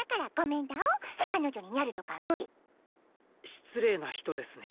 失礼な人ですね。